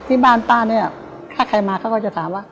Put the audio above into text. ที่บ้านป้าเนี่ยถ้าใครมาเขาก็จะถามว่า